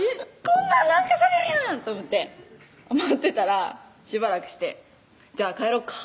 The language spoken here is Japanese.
こんなん何かされるやん！と思って待ってたらしばらくして「じゃあ帰ろっか」